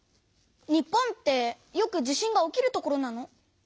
日本ってよく地震が起きる所なの？